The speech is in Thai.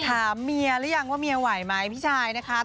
ถามเมียครับว่าว่าเมียไหวมั้ยพี่ชัยนะคะ